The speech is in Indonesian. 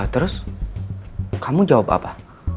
terus kamu jawab apa